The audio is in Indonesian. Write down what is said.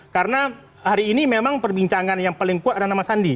karena hari ini memang perbincangan yang paling kuat adalah sama sandi